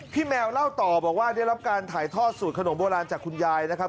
แมวเล่าต่อบอกว่าได้รับการถ่ายทอดสูตรขนมโบราณจากคุณยายนะครับ